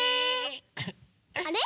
あれ？